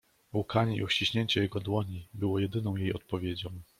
"Łkanie i uściśnięcie jego dłoni był jedyną jej odpowiedzią."